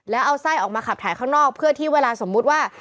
แล้วเอาไส้ออกมาขับถ่ายข้างนอกเพื่อที่เวลาสมมุติว่า